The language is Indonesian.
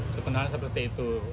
sebenarnya seperti itu